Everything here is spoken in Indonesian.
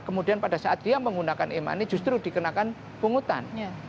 kemudian pada saat dia menggunakan e money justru dikenakan pungutan